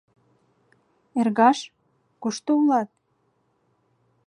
— Эргаш, кушто улат?